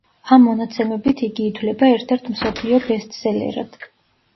ამ მონაცემებით იგი ითვლება ერთ-ერთ მსოფლიო ბესტსელერად.